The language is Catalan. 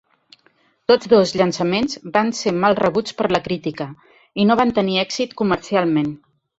Tots dos llançaments van ser mal rebuts per la crítica i no van tenir èxit comercialment.